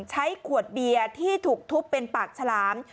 ใช้ขวดเบียร์ที่ถูกทุบเป็นปากฉลาม